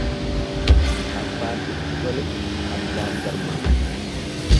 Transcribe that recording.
Abbaan itti tole fardaan garmaama.